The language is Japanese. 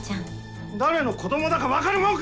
誰の子どもだか分かるもんか！